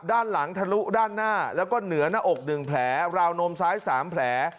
ด้านหลังทะลุด้านหน้าแล้วก็เหนือหน้าอก๑แผลราวนมซ้าย๓แผล